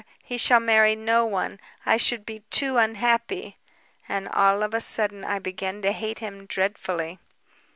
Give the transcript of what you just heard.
He shall marry no one. I should be too unhappy.' And all of a sudden I began to hate him dreadfully.